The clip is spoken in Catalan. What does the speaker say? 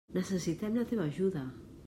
Necessitem la teva ajuda!